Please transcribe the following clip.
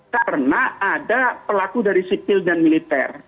karena ada pelaku dari sipil dan militer